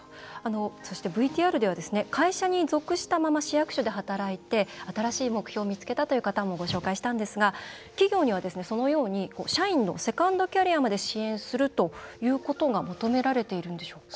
そして、ＶＴＲでは会社に属したまま市役所で働いて新しい目標を見つけたという方もご紹介したんですが企業には、そのように社員のセカンドキャリアまで支援するということが求められているんでしょうか。